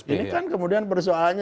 ini kan kemudian persoalannya